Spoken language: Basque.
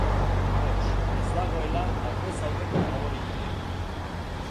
Hots, ez dagoela aldez aurreko faboritorik.